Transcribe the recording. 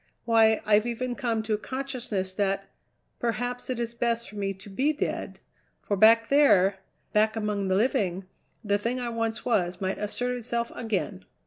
Why, I've even come to a consciousness that perhaps it is best for me to be dead, for back there, back among the living, the thing I once was might assert itself again."